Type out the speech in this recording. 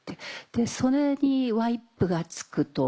でそれにワイプが付くと。